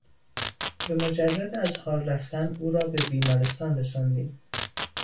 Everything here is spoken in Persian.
به مجرد از حال رفتن او را به بیمارستان رساندیم.